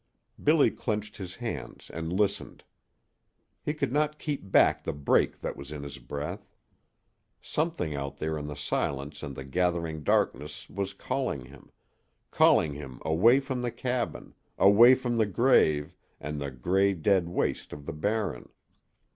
Billy clenched his hands and listened. He could not keep back the break that was in his breath. Something out there in the silence and the gathering darkness was calling him calling him away from the cabin, away from the grave, and the gray, dead waste of the Barren.